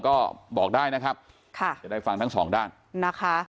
ก็บอกได้นะครับค่ะจะได้ฟังทั้งสองด้านนะคะ